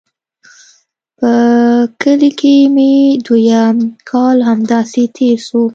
په کلي کښې مې دويم کال هم همداسې تېر سو.